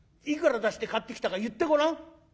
「いくら出して買ってきたか言ってごらん」。